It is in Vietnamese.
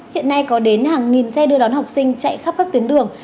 hiện nay có đến hàng nghìn xe đưa đón học sinh chạy khắp các tuyến đường